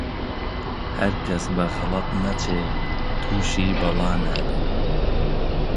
هەرکەس بە غەڵەت نەچی، تووشی بەڵا نابێ